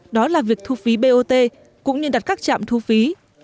đó là việc thu phí bot cũng như đặt các trạm thu phí